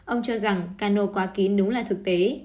ông cho rằng cano quá kỹ đúng là thực tế